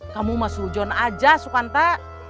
kamu masuk hujan aja sukanta